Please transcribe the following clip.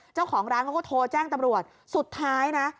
เจ้าของร้านเขาก็โทรแจ้งตำรวจสุดท้ายนะ